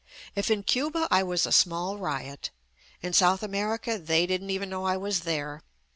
If in Cuba I was a small riot — in South America they didn't even know I was there.